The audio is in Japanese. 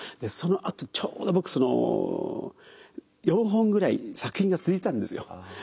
そのあとちょうど僕その４本ぐらい作品が続いたんですよ。